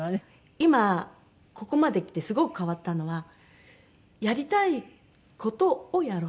今ここまできてすごく変わったのはやりたい事をやろう。